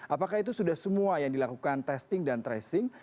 apakah itu sudah semua yang dilakukan testing dan tracing